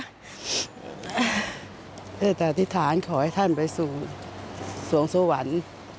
ได้อธิษฐานขอให้ท่านไปสู่สวงสวรรค์